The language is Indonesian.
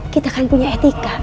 kita kan punya etika